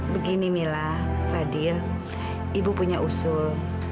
begini mila fadil ibu punya usul